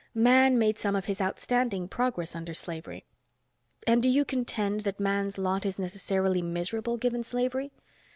Man made some of his outstanding progress under slavery. And do you contend that man's lot is necessarily miserable given slavery?